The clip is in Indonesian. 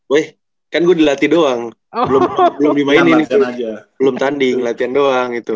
weh kan gue dilatih doang belum dimainin belum tanding latihan doang gitu